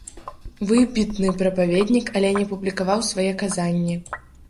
Выбітны прапаведнік, але не публікаваў свае казанні.